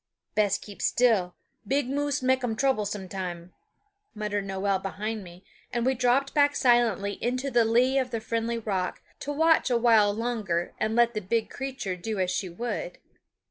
"Bes' keep still; big moose make um trouble sometime," muttered Noel behind me; and we dropped back silently into the lee of the friendly rock, to watch awhile longer and let the big creature do as she would.